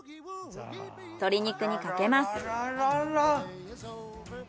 鶏肉にかけます。